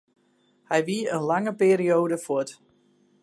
Hy wie in lange perioade fuort.